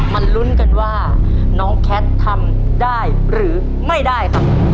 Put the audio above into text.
ลุ้นกันว่าน้องแคททำได้หรือไม่ได้ครับ